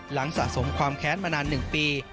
สะสมความแค้นมานาน๑ปี